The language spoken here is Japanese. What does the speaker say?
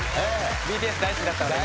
ＢＴＳ大好きだったので。